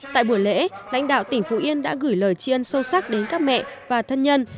tại buổi lễ lãnh đạo tỉnh phú yên đã gửi lời chiên sâu sắc đến các mẹ và thân nhân